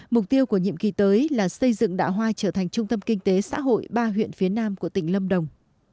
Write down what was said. mục tiêu của nhiệm kỳ tới là xây dựng đạ hoa trở thành trung tâm kinh tế xã hội ba huyện phía nam của tỉnh lâm đồng